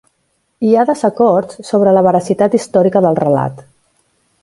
Hi ha desacords sobre la veracitat històrica del relat.